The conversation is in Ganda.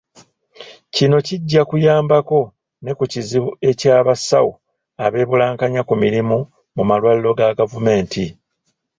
Kino kijja kuyambako ne ku kizibu eky'abasawo abeebulankanya ku mirimu mu malwaliro ga gavumenti.